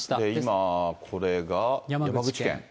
今、これが山口県。